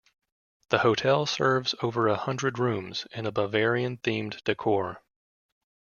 The hotel serves over a hundred rooms in a Bavarian themed decor.